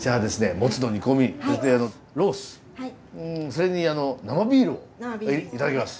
モツの煮込みそれでロースそれに生ビールを頂きます。